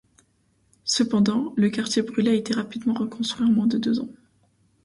Cependant, le quartier brûlé a été rapidement reconstruit en moins de deux ans.